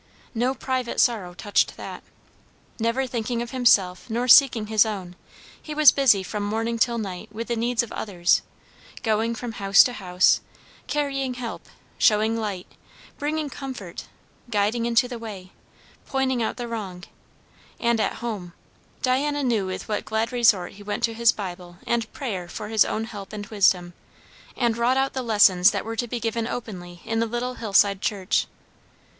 No private sorrow touched that. Never thinking of himself nor seeking his own, he was busy from morning till night with the needs of others; going from house to house, carrying help, showing light, bringing comfort, guiding into the way, pointing out the wrong; and at home, Diana knew with what glad resort he went to his Bible and prayer for his own help and wisdom, and wrought out the lessons that were to be given openly in the little hillside church.